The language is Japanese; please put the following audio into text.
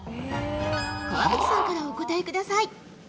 川口さんからお答えください。